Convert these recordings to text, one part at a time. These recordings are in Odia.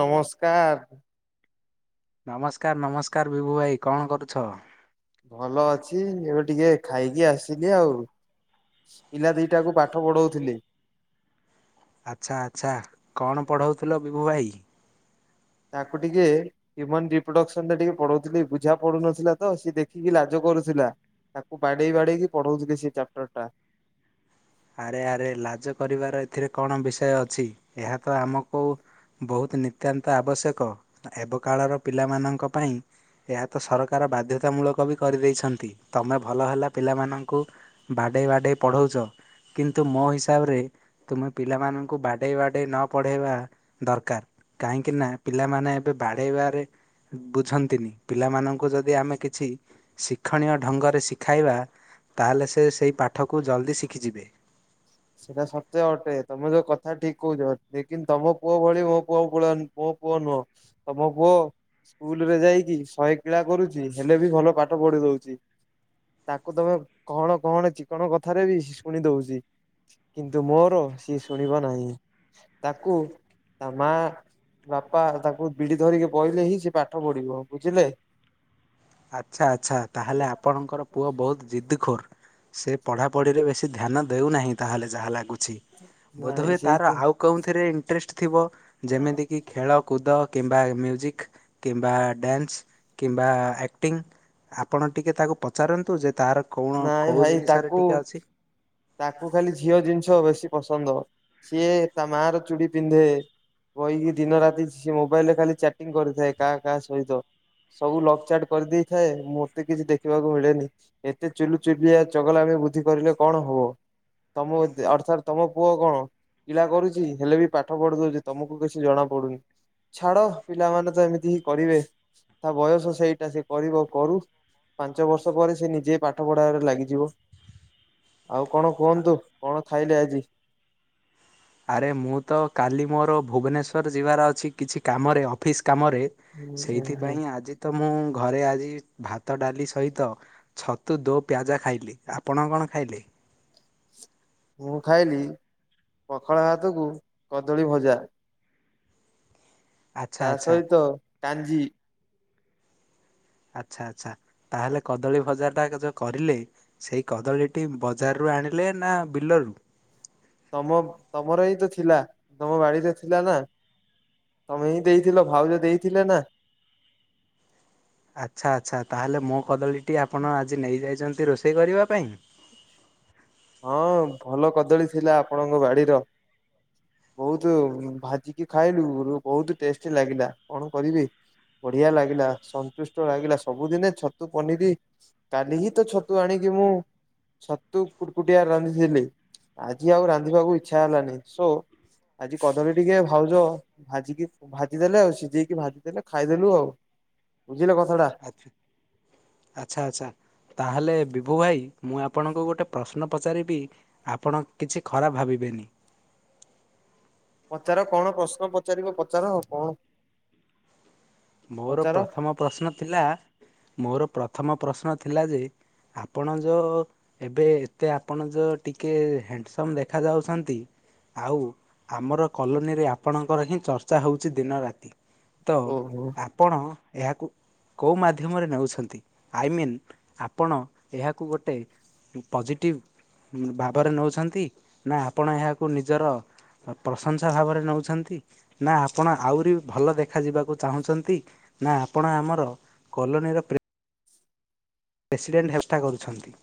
ନମସ୍କାର। ନମସ୍କାର ନମସ୍କାର ବିଭୁ ଭାଇ କଣ କରୁଛ? ଭଲ ଅଛି ଏବେ ଟିକେ ଖାଇକି ଆସିଲି ଆଉ। ପିଲା ଦିଇଟାକୁ ପାଠ ପଢ଼ଉଥିଲି। ଆଚ୍ଛା ଆଚ୍ଛା କଣ ପଢ଼ଉଥିଲ ବିଭୁ ଭାଇ? ତାକୁ ଟିକେ ହୁମାନ ରିପ୍ରଡକ୍ସନ ଟା ଟିକେ ପଢ଼ଉଥିଲି ବୁଝା ପଡୁନଥିଲା ତ ସିଏ ଦେଖିକି ଲାଜ କରୁଥିଲା ତାକୁ ବାଡ଼େଇ ବାଡ଼େଇକି ପଢ଼ଉଥିଲି ସେ ଚାପ୍ଟର ଟା। ଆରେ ଆରେ ଲାଜ କରିବାର ଏଥିରେ କଣ ବିଷୟ ଅଛି ଏହା ତ ଆମକୁ ବହୁତ ନିତ୍ୟାନ୍ତ ଆବଶ୍ୟକ ଏବେ କାଳର ପିଲାମାନଙ୍କ ପାଇଁ ଏହା ତ ସରକାର ବାଧ୍ୟତା ମୂଳକ ବି କରିଦେଇଛନ୍ତି ତମେ ଭଲ ହେଲା ପିଲାମାନଙ୍କୁ ବାଡ଼େଇ ବାଡ଼େଇ ପଢ଼ଉଛ। କିନ୍ତୁ ମୋ ହିସାବରେ ତୁମେ ପିଲାମାନଙ୍କୁ ବାଡ଼େଇ ବାଡ଼େଇ ନ ପଢ଼େଇବା ଦରକାର। କାହିଁକି ନା ପିଲାମାନେ ଏବେ ବାଡ଼େଇବାରେ ବୁଝନ୍ତିନି ପିଲାମାନଙ୍କୁ ଯଦି ଆମେ କିଛି ଶିକ୍ଷଣୀୟ ଢ଼ଙ୍ଗରେ ଶିଖାଇବା। ତାହେଲେ ସେ ସେଇ ପାଠକୁ ଜଲ୍ଦି ଶିଖିଯିବେ। ସେଇଟା ସତେ ଅଟେ ତମେ ଯୋଉ କଥା ଠିକ କହୁଛ ଲେକିନ ତମ ପୁଅ ଭଳି ମୋ ପୁଅକୁ ପଳନି ମୋ ପୁଅ ପୁଅ ନୁହଁ ତମ ପୁଅ ସ୍କୁଲ ରେ ଯାଇକି ଶହେ କିଳା କରୁଛି ହେଲେ ବି ଭଲ ପାଠ ପଢ଼ି ଦଉଛି। ତାକୁ ତମେ କଣ କଣ ଚିକଣ କଥାରେ ବି ଶୁଣି ଦଉଛି। କିନ୍ତୁ ମୋର ସିଏ ଶୁଣିବ ନାହିଁ ତାକୁ ତା ମା ବାପା ତାଙ୍କୁ ବିଡ଼ି ଧରିକି ବହିଲେ ହିଁ ସେ ପାଠ ପଢ଼ିବ ବୁଝିଲେ। ଆଚ୍ଛା ଆଚ୍ଛା ତାହେଲେ ଆପଣଙ୍କର ପୁଅ ବହୁତ ଜିଦ୍ଖୋର ସେ ପଢ଼ାପଢ଼ିରେ ବେଶୀ ଧ୍ୟାନ ଦେଉନାହିଁ ତାହେଲେ ଯାହା ଲାଗୁ ଛି ନାଇଁ ବୋଧହୁଏ ତାର ସେଇତ ଆଉ କେଉଁଥିରେ ଇଣ୍ଟରେଷ୍ଟ ଥିବ ଯେମିତି କିି ଖେଳ କୁଦ। କିମ୍ବା ମ୍ୟୁଜିକ କିମ୍ବା ଡ୍ୟାନ୍ସ କିମ୍ବା ଆକଟିଂ ଆପଣ ଟିକେ ତାକୁ ପଚାରନ୍ତୁ ଯେ ତାର କଣ ନାଇଁ କୋଉ ଭାଇ ଜିନିଷରେ ତାକୁ ଟିକେ ଅଛି। ତାକୁ ଖାଲି ଝିଅ ଜିନିଷ ବେଶୀ ପସନ୍ଦ ସିଏ ତା ମା ର ଚୁଡ଼ି ପିନ୍ଧେ। କହିକି ଦିନ ରାତି ସ ମୋବାଇଲ ରେ ଖାଲି ଚାଟିଂ କରିଥାଏ କାହା କାହା ସହିତ। ସବୁ ଲକ୍ ଚାଟ୍ କରିଦେଇଥାଏ ମତେ କିଛି ଦେଖିବାକୁ ମିଳେନି ଏତେ ଚୁଲୁ ଚୁଲିଆ ଚଗଲା ଏ ତ ବୁଦ୍ଧି କରିଲେ କଣ ହବ ତମ ଅର୍ଥାତ ତମ ପୁଅ କଣ? ପିଲା କରୁଛି ହେଲେ ବି ପାଠ ପଢି ଦଉଛି ତମକୁ କିଛି ଜଣା ପଡୁନି। ଛାଡ ପିଲାମାନେ ତ ଏମିତି ହିଁ କରିବେ ତା ବୟସ ସେଇଟା ସେ କରିବ କରୁ। ପାଞ୍ଚ ବର୍ଷ ପରେ ସେ ନିଜେ ପାଠ ପଢାରେ ଲାଗିଯିବ। ଆଉ କଣ କୁହନ୍ତୁ କଣ ଖାଇଲେ ଆଜି। ଆରେ ମୁଁ ତ କାଲି ମୋର ଭୁବନେଶ୍ଵର ଯିବାର ଅଛି କିଛି କାମରେ ଅଫିସ କାମରେ ହୁଁ ହୁଁ ସେଇଥିପାଇଁ ଆଜି ତ ମୁଁ ଘରେ ଆଜି ଭାତ ଡାଲି ସହିତ ଛତୁ ଦୋ ପିଆଜା ଖାଇଲି। ଆପଣ କଣ ଖାଇଲେ? ମୁଁ ଖାଇଲି ପଖାଳଭାତକୁ କଦଳୀଭଜା। ଆଚ୍ଛା ତା ଆଚ୍ଛା ସହିତ କାଞ୍ଜି। ଆଚ୍ଛା ଆଚ୍ଛା ତାହେଲେ କଦଳୀ ବଜାର ଟା ଯୋଉ କରିଲେ ସେଇ କଦଳୀଟି ବଜାରରୁୁ ଆଣିଲେ ନା ବିଲରୁୁ। ତମ ତମର ହିଁ ତ ଥିଲା ତମ ବାଡିରେ ଥିଲା ନା। ତମେ ହିଁ ଦେଇଥିଲ ଭାଉଜ ଦେଇଥିଲେ ନା। ଆଚ୍ଛା ଆଚ୍ଛା ତାହେଲେ ମୋ କଦଳୀଟି ଆପଣ ଆଜି ନେଇ ଯାଇଛନ୍ତି। ରୋଷେଇ କରିବା ପାଇଁ। ହଁ ଭଲ କଦଳୀ ଥିଲା ଆପଣଙ୍କ ବାଡିର। ବହୁତ ଭାଜିକି ଖାଇଲୁ ବହୁତ ଟେଷ୍ଟି ଲାଗିଲା କଣ କରିବି। ବଢିଆ ଲାଗିଲା ସନ୍ତୁଷ୍ଟ ଲାଗିଲା ସବୁଦିନେ ଛତୁ ପନିର କାଲି ହିଁ ତ ଛତୁ ଆଣି ମୁଁ ଛତୁ- କୁକୁଟିଆ‌ ରାନ୍ଧିଥିଲି ଆଜି ଆଉ ରାନ୍ଧିବାକୁ ଇଚ୍ଛା ହେଲାନି ସୋ ଆଜି କଦଳୀ ଟିକେ ଭାଉଜ ଭାଜିକି ଭାଜିଦେଲେ ଆଉ ସିଝେଇକି ଭାଜି ଦେଲେ ଖାଇଦେଲୁ ଆଉ। [inaudible] ଆଛା ଆଚ୍ଛା ଆଚ୍ଛା ତାହେଲେ ବି ବୁବୁ ଭାଇ ମୁଁ ଆପଣଙ୍କୁ ଗୋଟେ ପ୍ରଶ୍ନ ପଚାରିବି ଆପଣ କିଛି ଖରାପ ଭାବିବେନି। ପଚାର କଣ ପ୍ରଶ୍ନ ପଚାରିବ ପଚାର କଣ? ମୋର ପଚାର ପ୍ରଥମ ପ୍ରଶ୍ନ ଥିଲା ମୋର ପ୍ରଥମ ପ୍ରଶ୍ନ ଥିଲା ଯେ ଆପଣ ଯୋଉ ଏବେ ଏତେ ଆପଣ ଯୋଉ ଟିକେ ହ୍ୟାଣ୍ଡସମ୍ ଦେଖାଯାଉଛନ୍ତି ଆଉ ଆମର କଲୋନୀରେ ଆପଣଙ୍କର ହିଁ ଚର୍ଚ୍ଚା ହଉଛି ଦିନରାତି। ତ ଓହୋ ଆପଣ ଏହାକୁ କେଉଁ ମାଧ୍ୟମରେ ନେଉଛନ୍ତି ଆଇମିନ୍ ଆପଣ ଏହାକୁ ଗୋଟେ ପଜେଟିଭ ଭାବରେ ନେଉଛନ୍ତି ନା ଆପଣ ଏହାକୁ ନିଜର ପ୍ରଶଂସା ଭାବରେ ନଉଛନ୍ତି ନା ଆପଣ ଆହୁରି ଭଲ ଦେଖ ଯିବାକୁ ଚାହୁଁଛନ୍ତି ନା ଆପଣ ଆମର କଲୋନୀର ପ୍ରେ ପ୍ରେସିଡେଣ୍ଟ ହେଷ୍ଟ କରୁଛନ୍ତି।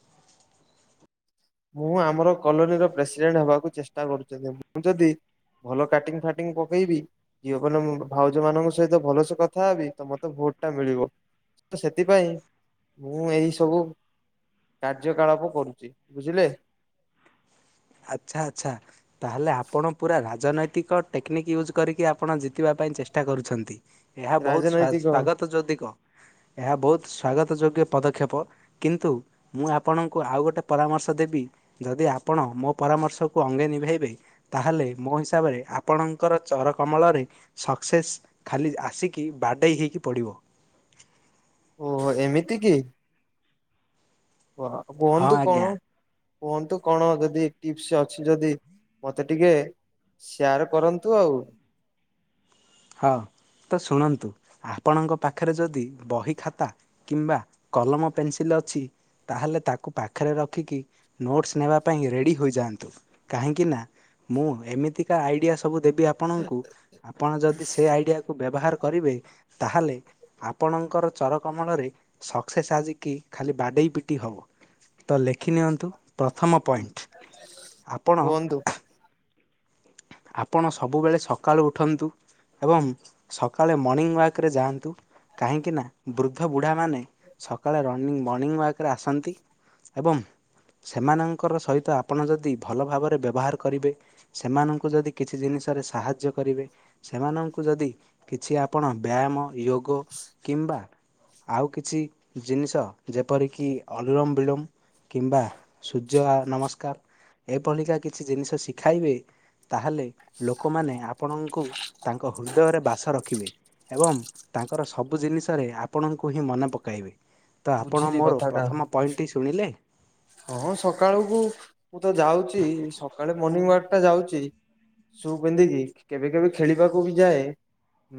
ମୁଁ ଆମର କଲୋନୀର ପ୍ରେସିଡେଣ୍ଟ ହେବାକୁ ଚେଷ୍ଟା କରୁଛନ୍ତି ମୁଁ ଯଦି ଭଲ କାଟିଙ୍ଗ ଫାଟିଙ୍ଗ ପକେଇବି ଝିଅ ମାନ‌ ଭାଉଜମାନଙ୍କ ସହିତ ଭଲସେ କଥା ହବି ତ ମତେ ବ ପଟା ମିଳିବ ତ ସେଥିପାଇଁ ମୁଁ ଏଇ ସବୁ କାର୍ଯ୍ୟକଳାପ କରୁଛି ବୁଝିଲେ‌। ଆଚ୍ଛା ଆଛା ତାହେଲେ ଆପଣ ପୁରା ରା ରାଜନୈତିକ ଟେକ୍ନିକ୍ ୟୁଜ୍ କରିକି ଆପଣ ଜିତିବା ପାଇଁ ଚେଷ୍ଟା କରୁଛନ୍ତି। ଏହା ବହୁତ ସ୍ବା ରାଜନୈତିକ ସ୍ଵାଗତ ଯଦି କ ଏହା ବହୁତ ସ୍ବାଗତ ଯୋଗ୍ୟ ପଦକ୍ଷେପ କିନ୍ତୁ ମୁଁ ଆପଣଙ୍କୁ ଆଉ ଗୋଟେ ପରାମର୍ଶ ଦେବି। ଯଦି ଆପଣ ମୋ ପରାମର୍ଶକୁ ଅଙ୍ଗେ ନିଭାଇବେ ତାହେଲେ ମୋ ହିସାବରେ ଆପଣଙ୍କର ଚର କମଳରେ ଶ ସକ୍ସେସ୍ ଖାଲି ଆସିକି ବାଡ଼େଇ ହେଇକି ପଡ଼ିବ। ଓହୋ ଏମିତି କି? ଓହ ହଁ କୁହନ୍ତୁ ଆଜ୍ଞା କଣ? କୁହନ୍ତୁ କଣ ଯଦି ଟିପ୍ସ ଅଛି ଯଦି ମତେ ଟିକେ ସେୟାର କରନ୍ତୁ ଆଉ। ହଁ। ତ ଶୁଣନ୍ତୁ ଆପଣଙ୍କ ପାଖରେ ଯଦି ବହି ଖାତା କିମ୍ବା କଲମ ପେନସିଲ ଅଛି। ତାହେଲେ ତାକୁ ପାଖରେ ରଖିକି ନୋଟସ୍ ନେବା ପାଇଁ ରେଡ଼ି ହୋଇଯାଆନ୍ତୁ କାହିଁକି ନା ମୁଁ ଏମିତିକା ଆଇଡିଆ ସବୁ ଦେବି ଆପଣଙ୍କୁ ଆପଣ ଯଦି ସେ ଆଇଡିଆକୁୁ ବ୍ୟବହାର କରିବେ ତାହେଲେ ଆପଣଙ୍କର ଚର କମଳରେ ସକ୍ସେସ୍ ଆଜିକି ଖାଲି ବାଡେ ଇପିଟି ହବ ତ ଲେଖି ନିଅନ୍ତୁ ପ୍ରଥମ ପଏଣ୍ଟ। ଆପଣ କୁଓନ୍ତୁ । ଆପଣ ସବୁବେଳେ ସକାଳୁ ଉଠନ୍ତୁ। ଏବଂ ସକାଳେ ମର୍ଣିଂ ୱାର୍କରେ ଯାଆନ୍ତୁ କାହିଁକି ନା ବୃଦ୍ଧ ବୁ ଢା ମାନେ ସକାଳେ ରନିଙ୍ଗ ମର୍ଣ୍ଣିଂ ୱାକରେ ଆସନ୍ତି ଏବଂ ସେମାନଙ୍କର ସହିତ ଆପଣ ଯଦି ଭଲ ଭାବରେ ବ୍ୟବହାର କରିବେ ସେମାନ କୁ ଯଦି କିଛି ଜିନିଷରେ ସାହାଯ୍ୟ କରିବେ ସେମାନଙ୍କୁ ଯଦି କିଛି ଆପଣ ବ୍ୟାୟାମ ଯୋଗ କିମ୍ବା ଆଉ କିଛି ଜିନିଷ ଯେପରିକି ଅଲୁରମ ବିଳୁମ୍ କିମ୍ବା ସୂର୍ଯ୍ୟଆ ନମସ୍କାର ଏଭଳିିକା କିଛି ଜିନିଷ ଶିଖାଇବେ। ତାହେଲେ ଲୋକମାନେ ଆପଣଙ୍କୁ ତାଙ୍କ ହୃଦୟରେ ବାସ ରଖିବେ। ଏବଂ ତାଙ୍କର ସବୁ ଜିନିଷରେ ଆପଣଙ୍କୁ ହିଁ ମନେ ପକାଇବେ। ତ ଆପଣ ବୁଝିଲି ମୋର କଥାଟା ପ୍ରଥମ ପଏଣ୍ଟଟି ଶୁଣିଲେ । ହଁ ସକାଳକୁ ମୁଁ ତ ଯାଉଛି ସକାଳେ ମର୍ଣିିଂ ୱାକ ଟା ଯାଉଛି। ସୁ ପିନ୍ଧ କିି କେବେ କେବେ ଖେଳିବାକୁ ବି ଯାଏ।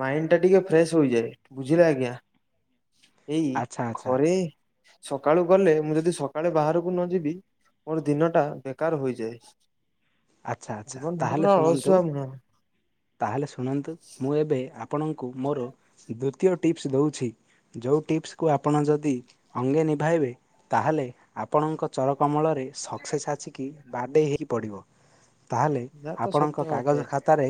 ମାଇଣ୍ଡ ଟା ଟିକେ ଫ୍ରେଶ ହୋଇଯାଏ ବୁଝିଲେ ଆଜ୍ଞା। ଏଇ ଆଚ୍ଛା ଆଚ୍ଛା ଘରେ ସକାଳୁ ଗଲେ ମୁଁ ଯଦି ସକାଳେ ବାହାର କୁ ନ ଯିବି ମୋର ଦିନ ଟା ବେକାର ହୋଇଯାଏ। ଆଚ୍ଛା ଆଚ୍ଛା ତାହେଲେ ଶୁଣନ୍ତୁ [unintelligible] ତାହେଲେ ଶୁଣନ୍ତୁ ମୁଁ ଏବେ ଆପଣଙ୍କୁ ମୋର ଦ୍ଵିତୀୟ ଟିପ୍ସ ଦଉଛି । ଯୋଉ ଟିପ୍ସକୁ ଆପଣ ଯଦି ଅଙ୍ଗେ ନିଭାଇବେ ତାହେଲେ ଆପଣଙ୍କ ଚର କମଳରେ ରେ ସକ୍ସେସ ଆଛିକି ବାଡେଇ ହେଇ ପଡିବ। ତାହେଲେ ଯାହା ତ ଆପଣଙ୍କ ସତ୍ୟ ବଟେ କାଗଜ ଖାତାରେ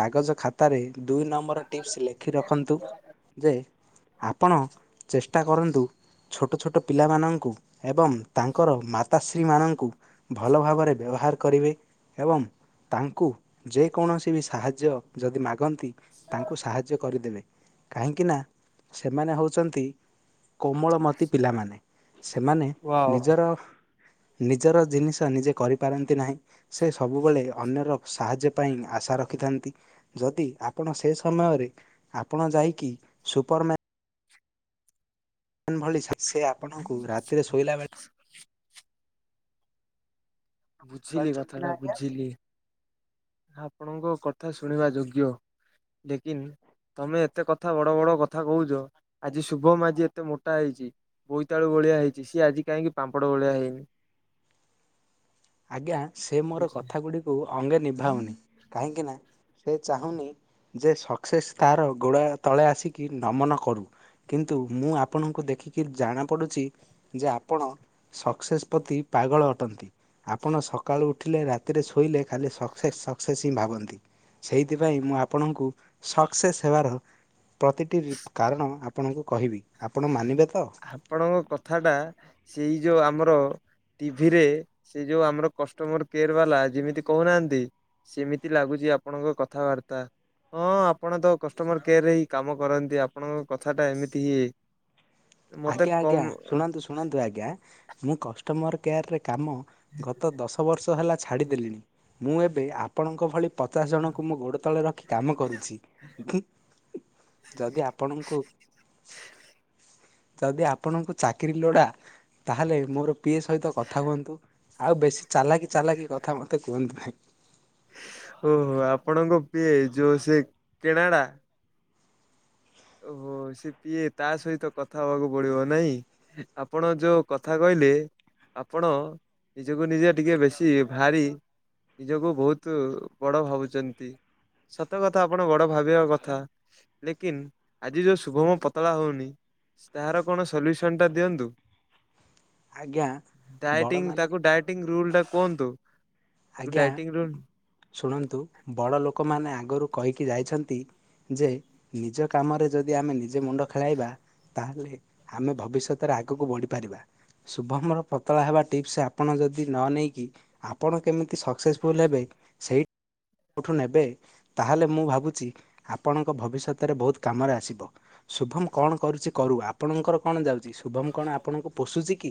କାଗଜ ଖାତାରେ ଦୁଇ ନମ୍ବର ଟିପ୍ସ ଲେଖି ରଖନ୍ତୁ ଯେ ଆପଣ ଚେଷ୍ଟା କରନ୍ତୁ ଛୋଟ ଛୋଟ ପିଲାମାନଙ୍କୁ ଏବଂ ତାଙ୍କର ମାତାଶ୍ରୀମାନଙ୍କୁ ଭଲ ଭାବରେ ବ୍ୟବହାର କରିବେ ଏବଂ ତାଙ୍କୁ ଯେକୌଣସି ବି ସାହାଯ୍ୟ ଯଦି ମାଗନ୍ତି ତାଙ୍କୁ ସାହାଯ୍ୟ କରିଦେବେ କାହିଁକିନା ସେମାନେ ହଉଛନ୍ତି କୋମଳମତି ପିଲାମାନେ ସେମାନେ ୱାଓ। ନିଜର ନିଜର ଜିନିଷ ନିଜେ କରିପାରନ୍ତି ନାହିଁ ସେ ସବୁବେଳେ ଅନ୍ୟର ସାହାଯ୍ୟ ପାଇଁ ଆଶା ରଖିଥାନ୍ତି ଯଦି ଆପଣ ସେ ସମୟ ରେ ଆପଣ ଯାଇକି ସୁ ପରମାନ ଏନ୍ ଭଳି ଶସ୍ୟ ଆପଣଙ୍କୁ ରାତିରେ ଶୋଇଲା ବେଳେ ବୁଝିଲି କଥା ପାରୁଛନ୍ତି ଟା ନା ଆଜ୍ଞା। ବୁଝିଲି। ଆପଣଙ୍କ କଥା ଶୁଣିବା ଯୋଗ୍ୟ ଲେକିନ ତମେ ଏତେ କଥା ବଡ଼ ବଡ଼ କଥା କହୁଛ ଆଜି ଶୁଭମ ଆଜି ଏତେ ମୋଟା ହେଇଛି। ବୋଇତାଳୁ ଭଳିଆ ହେଇଛି ସିଏ ଆଜି କାହିଁକି ପାମ୍ପଡ଼ ଭଳିଆ ହେଇନି। ଆଜ୍ଞା ସେ ମୋର ବୁଝି କଥା ଗୁଡ଼ିକୁ ଅଙ୍ଗେ ନିଭାଉନି କାହିଁକି ନା ସେ ଚାହୁଁନି ଯେ ସକ୍ସେସ୍ ତାର ଗୋଡା ତଳେ ଆସିକି ନମନ କରୁ। କିନ୍ତୁ ମୁଁ ଆପଣଙ୍କୁ ଦେଖିକି ଜଣାପଡ଼ୁଛି ଯେ ଆପଣ ସକ୍ସେସ୍ ପ୍ରତି ପାଗଳ ଅଟନ୍ତି ଆପଣ ସକାଳୁ ଉଠିଲେ ରାତିରେ ଶୋଇଲେ ଖାଲି ସକ୍ସେସ୍ ସକ୍ସେସ୍ ହିଁ ଭାବନ୍ତି। ସେଇଥିପାଇଁ ମୁଁ ଆପଣଙ୍କୁ ସକ୍ସେସ୍ ହେବାର ପ୍ରତିଟି କାରଣ ଆପଣଙ୍କୁ କହିବି। ଆପଣ ମାନିବେ ତ? ଆପଣଙ୍କ କଥା ଟା ସେଇ ଯୋଉ ଆମର ଟିଭି ରେ ସେ ଯୋଉ ଆମର କଷ୍ଟମର କେୟାର ବାଲା ଯେମିତି କହୁନାହାନ୍ତି। ସେମିତି ଲାଗୁଚି ଆପଣଙ୍କ କଥାବାର୍ତ୍ତା। ହଁ ଆପଣ ତ କଷ୍ଟମର କେୟାର ରେ ହିଁ କାମ କରନ୍ତି, ଆପଣଙ୍କ କଥା ଟା ଏମିତି ମତେ ଆଜ୍ଞା ଆଜ୍ଞା କମ୍ ଶୁଣନ୍ତୁ ଶୁଣନ୍ତୁ ଆଜ୍ଞା ମୁଁ କଷ୍ଟମର କେୟରରେ କାମ ଗତ ଦଶ ବର୍ଷ ହେଲା ଛାଡ଼ିଦେଲିଣି, ମୁଁ ଏବେ ଆପଣଙ୍କ ଭଳି ପଚାଶ ଜଣଙ୍କୁ ମୁଁ ଗୋଡ ତଳେ ରଖି କାମ କରୁଛି। ଯଦି ଆପଣଙ୍କୁ ଯଦି ଆପଣଙ୍କୁ ଚାକିରି ଲୋଡ଼ା ତାହେଲେ ମୋର ପିଏ ସହିତ କଥା ହୁଅନ୍ତୁ ଆଉ ବେଶୀ ଚାଲାକି ଚାଲାକି କଥା ମୋତେ କୁହନ୍ତୁ ନାହିଁ। ଓହୋ ଆପଣଙ୍କ ପିଏ ଯୋଉ ସେ କେଣାଡା? ଓହୋ ସେ ପିଏ ତା ସହିତ କଥା ହବାକୁ ପଡିବ ନାଇଁ, ଆପଣ ଯୋଉ କଥା କହି ଲେ ଆପଣ ନିଜକୁ ନିଜେ ଟିକେ ବେଶୀ ଭାରି ନିଜକୁ ବହୁତ ବଡ ଭାବୁଚନ୍ତି। ସତ କଥା ଆପଣ ବଡ ଭାବିବା କଥା, ଲେକିନ ଆଜି ଯୋଉ ଶୁଭମ ପତଳା ହଉନି ତାହାର କଣ ସଲ୍ୟୁସନ ଟା ଦିଅନ୍ତୁ? ଆଜ୍ଞା ଡାଇଟିଂ ବଡ଼ମାନେ ତାକୁ ଡାଇଟିଂ ରୁଲ ଟା କୁହନ୍ତୁ। ତାକୁ ଆଜ୍ଞା ଡାଏଟିଂ ରୁଲ ଶୁଣନ୍ତୁ ବଡ଼ ଲୋକମାନେ ଆଗରୁ କହିକି ଯାଇଛନ୍ତି ଯେ, ନିଜ କାମରେ ଯଦି ଆମେ ନିଜେ ମୁଣ୍ଡ ଖେଳାଇବା ତାହେଲେ ଆମେ ଭବିଷ୍ୟତରେ ଆଗକୁ ବଢିପାରିବା। ଶୁଭମର ପତଳା ହେବା ଟିପ୍ସ ଆପଣ ଯଦି ନ ନେଇକି ଆପଣ କେମିତି ସକ୍ସେସଫୁଲ୍ ହେବେ ସେଇ ଯୋଉଠୁ ନେବେ ତାହେଲେ ମୁଁ ଭାବୁଛି ଆପଣଙ୍କ ଭବିଷ୍ୟତରେ ବହୁତ କାମରେ ଆସିବ। ଶୁଭମ କଣ କରୁଛି କରୁ, ଆପଣଙ୍କର କଣ ଯାଉଛି ଶୁଭମ କଣ ଆପଣଙ୍କୁ ପୋଷୁଛି କି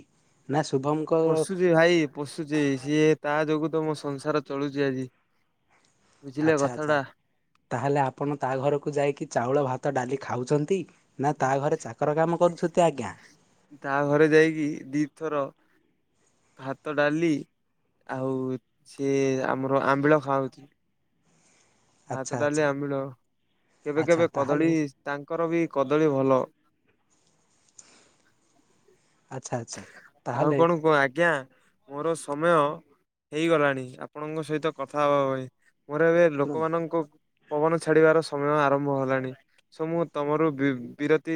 ନା ଶୁଭମଙ୍କ ପୋଶୁଚି ଭାଇ ପୋଶୁଚି ସିଏ, ତା ଯୋଗୁ ତ ମୋ ସଂସାର ଚଳୁଛି ଆଜି। ବୁଝିଲେ ଆଚ୍ଛା ଆଚ୍ଛା କଥାଟା ତାହେଲେ ଆପଣ ତା ଘରକୁ ଯାଇକି ଚାଉଳ, ଭାତ, ଡାଲି ଖାଉଛନ୍ତି। ନା ତା ଘରେ ଚାକର କାମ କରୁଛନ୍ତି ଆଜ୍ଞା ତା ଘରେ ଯାଇକି ଦିଥର ଭାତ, ଡାଲି ଆଉ ସିଏ ଆମର ଆମ୍ବିଳ ଖାଉଚି । ଭାତ, ଆଚ୍ଛା ଡାଲି, ଆଚ୍ଛା ଆମ୍ବିଳ। କେବେ ଆଚ୍ଛା କେବେ କଦଳୀ ତାହେଲେ ତାଙ୍କର ବି କଦଳୀ ଭଲ। ଆଚ୍ଛା ଆଚ୍ଛା ଆଉ ତାହେଲେ କଣ କୁହ ଆଜ୍ଞା? ମୋର ସମୟ ହେଇଗଲାଣି, ଆପଣଙ୍କ ସହିତ କଥା ହବା ପାଇଁ ମୋର ଏବେ ଶୁଣନ୍ତୁ ଲୋକମାନଙ୍କୁ ପବନ ଛାଡିବାର ସମୟ ଆରମ୍ଭ ହେଲାଣି, ସେ ମୁଁ ତମର ବିରତି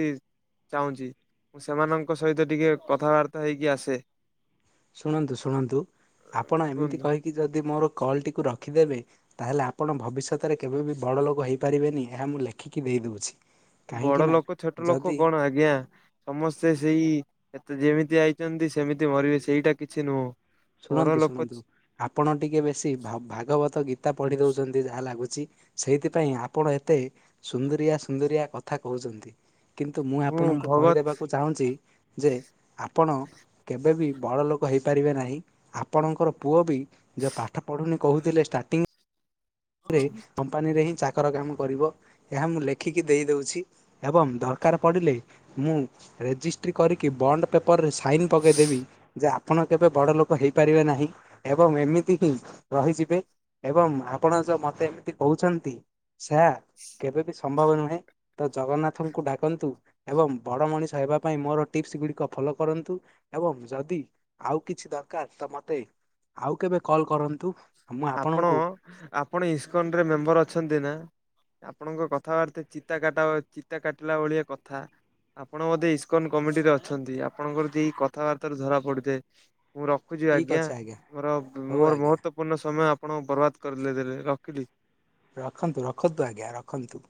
ଚାହୁଁଛି ମୁଁ ସେମାନଙ୍କ ସହିତ ଟିକେ କଥାବାର୍ତ୍ତା ହେଇକି ଆସେ। ଶୁଣନ୍ତୁ ଶୁଣନ୍ତୁ ଆପଣ ଏମିତି କୁହନ୍ତୁ କହିକି ଯଦି ମୋର କଲ୍ଟିକୁ ରଖିଦେବେ ତାହେଲେ ଆପଣ ଭବିଷ୍ୟତରେ କେବେ ବି ବଡ଼ ଲୋକ ହେଇପାରିବେନି, ଏହା ମୁଁ ଲେଖିକି ଦେଇ ଦଉଛି। ବଡ ଲୋକ ଛୋଟ ଲୋକ କଣ ଆଜ୍ଞା ସମସ୍ତେ ସେଇ ତ ଯେମିତି ଆଇଚନ୍ତି ସେମିତି ମରିବେ ସେଇଟା କିଛି ନୁହଁ। ବଡ ଶୁଣନ୍ତୁ ଲୋକ ଶୁଣନ୍ତୁ ଆପଣ ଟିକେ ବେଶୀ ଭା ଭାଗବତ ଗୀତା ପଢି ଦଉଛନ୍ତି ଯାହା ଲାଗୁଚି। ସେଇଥିପାଇଁ ଆପଣ ଏତେ ସୁନ୍ଦରିଆ ସୁନ୍ଦରିଆ କଥା କହୁଚନ୍ତି। କିନ୍ତୁ ମୁଁ ଆପଣଙ୍କୁ କହିଦେବାକୁ ଚାହୁଁଚି ଯେ ଆପଣ କେବେବି ବଡ ଲୋକ ହେଇପାରିବେ ନାହିଁ। ଆପଣଙ୍କର ପୁଅ ବି ଯେ ପାଠ ପଢ଼ୁନି କହୁଥିଲେ ଷ୍ଟାର୍ଟିଂ ରେ କମ୍ପାନୀରେ ହିଁ ଚାକର କାମ କରିବ ଏହା ମୁଁ ଲେଖିକି ଦେଇ ଦଉଚି ଏବଂ ଦରକାର ପଡ଼ିଲେ ମୁଁ ରେଜିସ ଟ୍ରି କରିକି ବଣ୍ଡ ପେପର୍ ରେ ସାଇନ୍ ପକେଇଦେବି ଯେ, ଆପଣ କେବେ ବଡ଼ ଲୋକ ହେଇପାରିବେ ନାହିଁ। ଏବଂ ଏମିତି ହିଁ ରହିଯିବେ ଏବଂ ଆ ଆପଣ ଯଉ ମତେ ଏମିତି କହୁଛନ୍ତି ସେୟା କେବେ ବିି ସମ୍ଭବ ନୁହେଁ। ତ ଜଗନ୍ନାଥଙ୍କୁ ଡାକନ୍ତୁ ଏବଂ ବଡ଼ ମଣିଷ ହେବା ପାଇଁ ମୋର ଟିପ୍ସ ଗୁଡ଼ିକ ଫଲୋ କରନ୍ତୁ। ଏବଂ ଯଦି ଆଉ କିଛି ଦରକାର ତ ମତେ ଆଉ କେବେ କଲ କରନ୍ତୁ। ମୁଁ ଆପଣ ଆପଣଙ୍କୁ ଆପଣ ଇସ୍କନରେ ମେମ୍ବର ଅଛନ୍ତି ନା? ଆପଣଙ୍କ କଥାବାର୍ତ୍ତା ଚିତା କାଟ ଚିତା କାଟିଲା ଭଳିଆ କଥା। ଆପଣ ବୋଧେ ଇସ୍କନ କମିଟିରେ ଅଛନ୍ତି ଆପଣଙ୍କର ଦି କଥାବାର୍ତ୍ତାରୁ ଧରା ପଡିଥାଏ। ମୁଁ ରଖୁଚି ଠିକ୍ ଆଜ୍ଞା ଅଛି ମୋର ହଉ ମୋର ଆଜ୍ଞା ମହତ୍ୱପୂର୍ଣ୍ଣ ସମୟ ଆପଣ ବର୍ବାଦ କରିିଲେ ଦେଲେ ରଖିଲି। ରଖନ୍ତୁ ରଖନ୍ତୁ ଆଜ୍ଞା ରଖନ୍ତୁ।